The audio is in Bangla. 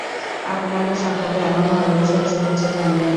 আপনারা সকলে আমার ভালবাসা ও শুভেচ্ছা জানবেন।